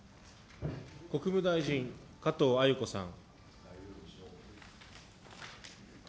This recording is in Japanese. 国務大臣、加藤鮎子さん。